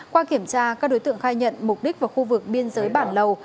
qua kiểm tra các đối tượng khai nhận mục đích vào khu vực biên giới bản lầu